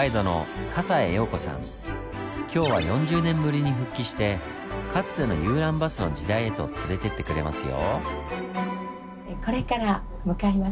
今日は４０年ぶりに復帰してかつての遊覧バスの時代へと連れて行ってくれますよ。